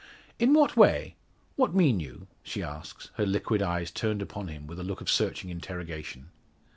"In what way? What mean you?" she asks, her liquid eyes turned upon him with a look of searching interrogation.